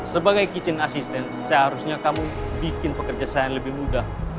sebagai kitchen assistant seharusnya kamu bikin pekerja saya yang lebih mudah